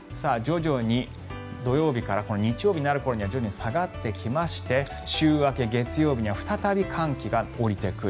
土曜日から日曜日になる頃には徐々に下がってきまして週明け月曜日には再び寒気が降りてくる。